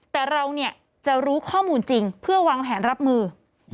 แต่เราจะรู้ข้อมูลจริงเพื่อวางแผนรับมือ